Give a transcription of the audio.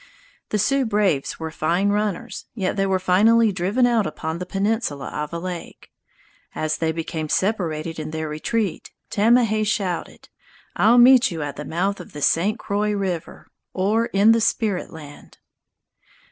The Sioux braves were fine runners, yet they were finally driven out upon the peninsula of a lake. As they became separated in their retreat, Tamahay shouted, "I'll meet you at the mouth of the St. Croix River, or in the spirit land!"